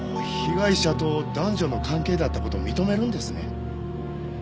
被害者と男女の関係だった事を認めるんですね？